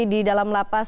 di dalam lapas